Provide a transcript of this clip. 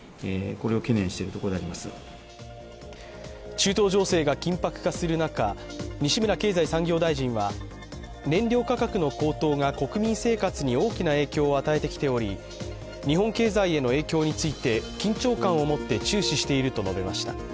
中東情勢が緊迫化する中、西村経済産業大臣は燃料価格の高騰が国民生活に大きな影響を与えてきており日本経済への影響について、緊張感を持って注視していると述べました。